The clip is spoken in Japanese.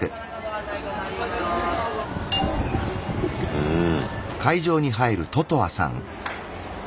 うん。